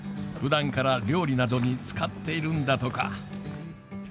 ふだんから料理などに使っているんだとか。